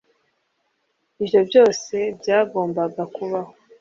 Ibyo byose byagombaga kubaho.